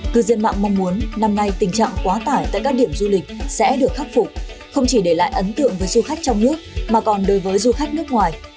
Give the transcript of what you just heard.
cư dân mạng mong muốn năm nay tình trạng quá tải tại các điểm du lịch sẽ được khắc phục không chỉ để lại ấn tượng với du khách trong nước mà còn đối với du khách nước ngoài